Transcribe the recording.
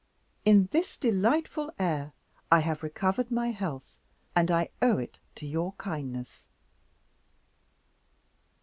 "In this delightful air, I have recovered my health, and I owe it to your kindness."